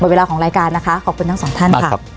เวลาของรายการนะคะขอบคุณทั้งสองท่านค่ะ